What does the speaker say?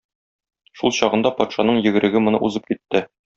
Шул чагында патшаның йөгереге моны узып китте.